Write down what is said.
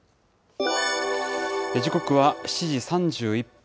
時刻は７時３１分。